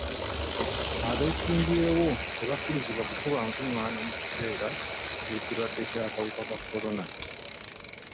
Abeesimbyewo tebakkirizibwa kukuba nkungaana mu kiseera k'ekirwadde ky'akawuka ka kolona.